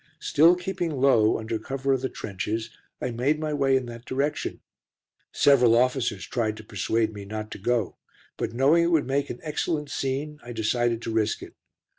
Still keeping low under cover of the trenches, I made my way in that direction. Several officers tried to persuade me not to go, but knowing it would make an excellent scene, I decided to risk it.